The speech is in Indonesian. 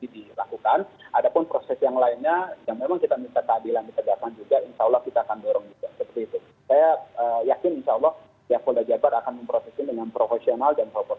saya yakin insya allah polda jawa barat akan memprosesi dengan profesional dan proposional